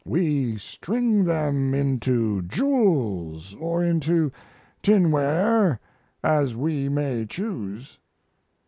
We string them into jewels or into tinware, as we may choose.